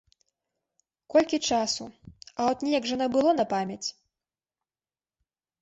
Колькі часу, а от неяк жа набыло на памяць.